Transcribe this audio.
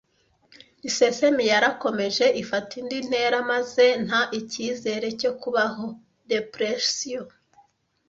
Isesemi yarakomeje, ifata indi ntera maze nta icyizere cyo kubaho (dépression).